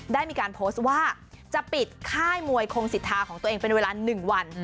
ได้มีการโพสต์ว่าจะปิดค่ายมวยคงสิทธาของตัวเองเป็นเวลา๑วัน